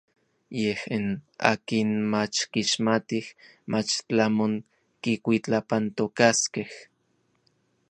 Yej n akin mach kixmatij mach tlamon kikuitlapantokaskej.